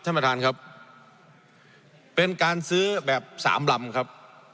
ท่านประธานครับเป็นการซื้อแบบสามลำครับ